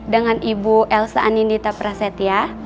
dengan ibu elsa anindita prasetya